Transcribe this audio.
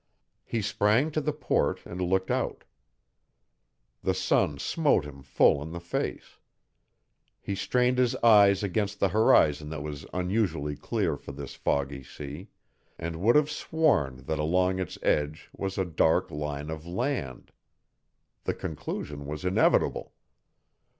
He sprang to the port and looked out. The sun smote him full in the face. He strained his eyes against the horizon that was unusually clear for this foggy sea, and would have sworn that along its edge was a dark line of land. The conclusion was inevitable.